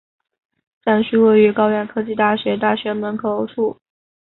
站区位于高苑科技大学大门口处。